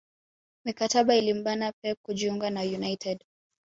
Mikataba ilimbana Pep kujiunga na united